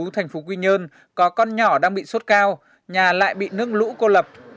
thành phố quy nhơn có con nhỏ đang bị sốt cao nhà lại bị nước lũ cô lập